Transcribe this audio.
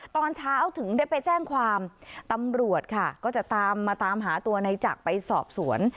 ตอนเช้าถึงได้ไปแจ้งความตำรวจค่ะก็จะตามมาตามหาตัวในจักรไปสอบสวน